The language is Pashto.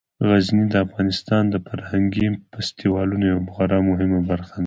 غزني د افغانستان د فرهنګي فستیوالونو یوه خورا مهمه برخه ده.